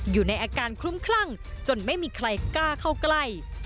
อยู่ในอาการคลุ้มคลั่งจนไม่มีใครกล้าเข้าใกล้